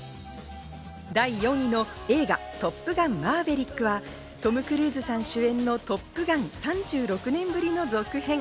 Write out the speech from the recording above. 第４位の映画『トップガンマーヴェリック』は、トム・クルーズさん主演の『トップガン』３６年ぶりの続編。